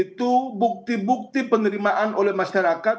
itu bukti bukti penerimaan oleh masyarakat